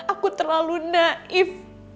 aku terlalu naif